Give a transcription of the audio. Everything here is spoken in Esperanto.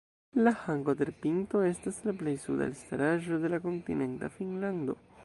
La Hanko-terpinto estas la plej suda elstaraĵo de kontinenta Finnlando.